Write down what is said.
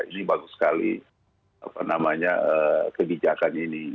ini bagus sekali kebijakan ini